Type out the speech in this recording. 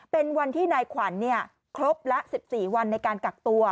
เป็นวันที่นายขวัญครบละ๑๔วันในการกักตัว